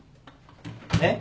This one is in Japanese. えっ？